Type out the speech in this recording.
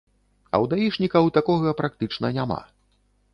А ў даішнікаў такога практычна няма.